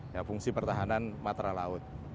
ya fungsi pertahanan matra laut